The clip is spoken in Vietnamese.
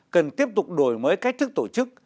cần tiếp tục đổi mới cách thức tổ chức